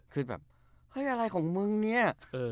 คือแบบเฮ้ยอะไรของมึงเนี่ย